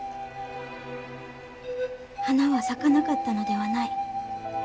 花は咲かなかったのではない。